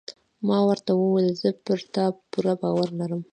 ما ورته وویل: زه پر تا پوره باور لرم.